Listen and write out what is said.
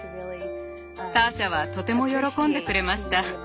ターシャはとても喜んでくれました。